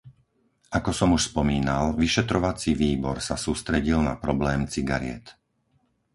Ako som už spomínal, vyšetrovací výbor sa sústredil na problém cigariet.